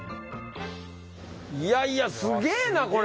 いやいやすげえなこれ。